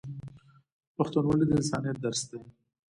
پښتونولي د انسانیت درس دی.